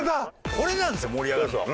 これなんですよ盛り上がるのは。